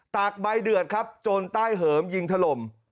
กใบเดือดครับจนใต้เหิมยิงถล่ม